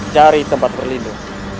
cari tempat berlindung